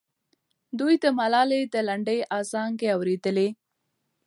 دوی د ملالۍ د لنډۍ ازانګې اورېدلې.